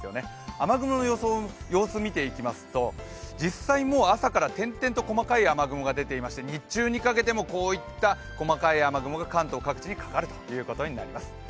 雨雲の様子を見ていきますと、実際朝から点々と細かい雨雲が出ていまして、日中にかけてもこういった細かい雨雲が関東各地にかかるということになります。